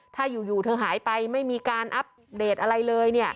ถ้าอยู่เธอหายไปไม่มีการอัปเดตอะไรเลย